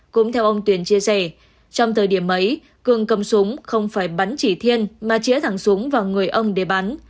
cũng theo ông tuyền chia sẻ trong thời điểm ấy cường cầm súng không phải bắn chỉ thiên mà chĩa thẳng súng vào người ông để bắn